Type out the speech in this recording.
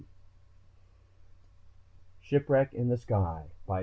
_ shipwreck in the sky _by